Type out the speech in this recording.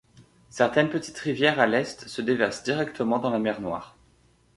Certaines petites rivières à l'Est se déversent directement dans la mer Noire.